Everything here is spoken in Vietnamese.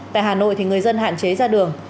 tại hà nội người dân hạn chế ra đường